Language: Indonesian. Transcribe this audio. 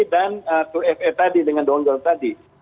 dan dua fa tadi dengan donggel tadi